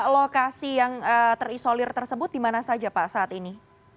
lokasi yang terisolir tersebut di mana saja pak saat ini